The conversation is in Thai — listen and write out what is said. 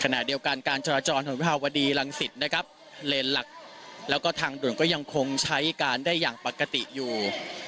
ขณะเดียวกันการจราจรถนนวิภาวดีรังสิตนะครับเลนหลักแล้วก็ทางด่วนก็ยังคงใช้การได้อย่างปกติอยู่